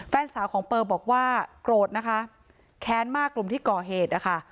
แฟนสาวของเปอร์บอกว่าโกรธนะคะแค้นมากกลุ่มที่ก่อเหตุนะคะ